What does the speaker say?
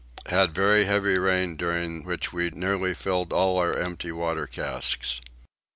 Had very heavy rain during which we nearly filled all our empty water casks.